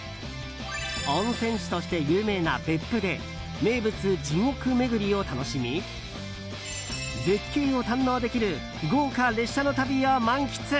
温泉地として有名な別府で名物、地獄めぐりを楽しみ絶景を堪能できる豪華列車の旅を満喫。